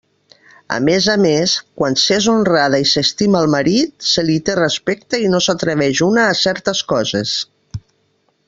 A més a més, quan s'és honrada i s'estima el marit, se li té respecte i no s'atreveix una a certes coses.